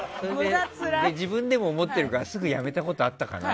自分でも思ってるからすぐやめたことがあったかな。